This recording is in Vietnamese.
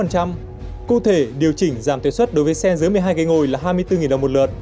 cụ thể điều chỉnh giảm thuế xuất đối với xe dưới một mươi hai gây ngồi là hai mươi bốn đồng